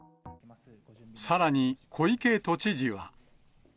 さらに、小池都知事は。